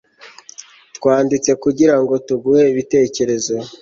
Twanditse kugirango tuguhe ibitekerezo